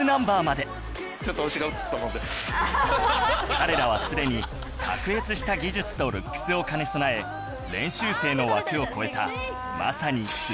彼らはすでに卓越した技術とルックスを兼ね備え練習生の枠を超えたまさに